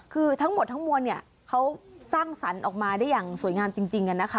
คือทั้งหมดทั้งมวลเนี่ยเขาสร้างสรรค์ออกมาได้อย่างสวยงามจริงนะคะ